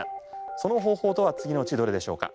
その方法とは次のうちどれでしょうか。